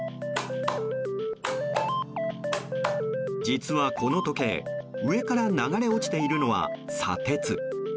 実は、この時計上から流れ落ちているのは砂鉄。